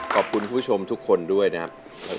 คุณผู้ชมทุกคนด้วยนะครับ